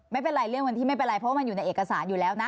ไม่เป็นไรเรื่องวันที่ไม่เป็นไรเพราะว่ามันอยู่ในเอกสารอยู่แล้วนะ